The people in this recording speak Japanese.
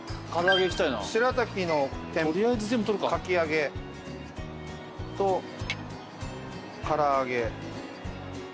しらたきのかき揚げと唐揚げ。